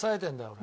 俺。